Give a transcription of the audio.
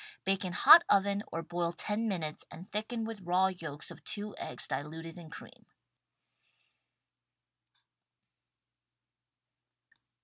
Bake in hot oven or boil ten minutes and thicken with raw yolks of two eggs diluted in cream.